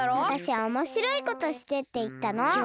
わたしはおもしろいことしてっていったの。